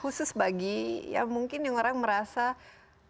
khusus bagi ya mungkin yang orang merasa dilimitasi atau melimitasi